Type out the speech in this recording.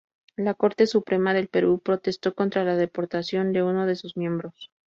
La Corte Suprema del Perú protestó contra la deportación de uno de sus miembros.